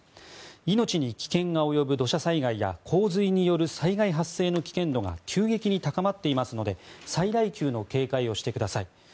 命に危険が及ぶ土砂災害や洪水による災害発生の危険度が急激に高まってますので最大級の警戒をしてください。